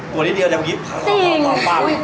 ตัวนิดนึงก็จะกำลังว่าความฟัง